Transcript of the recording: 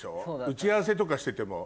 打ち合わせとかしてても。